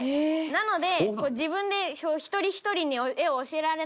なので。